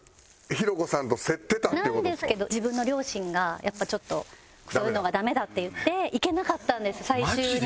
なんですけど自分の両親がやっぱちょっとそういうのがダメだって言っていけなかったんです最終に。